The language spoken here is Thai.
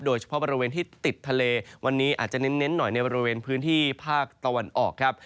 โดยเฉพาะบริเวณที่ติดทะเลวันนี้อาจจะเน้นหน่อยในบริเวณพื้นที่ภาคตะวันออกครับ